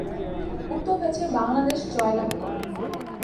উক্ত ম্যাচে বাংলাদেশ জয়লাভ করে।